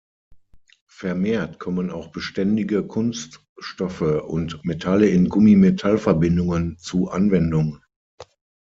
Vermehrt kommen auch beständige Kunststoffe und Metalle in Gummi-Metallverbindungen zu Anwendung.